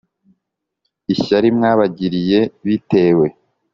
ishyari mwabagiriye bitewe